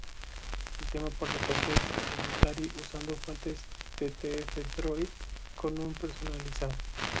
El tema por defecto es Elementary usando fuentes ttf-droid, con y un personalizado.